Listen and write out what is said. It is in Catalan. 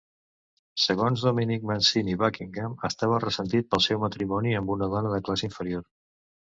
Segons Dominic Mancini, Buckingham estava ressentit pel seu matrimoni amb una dona de classe inferior.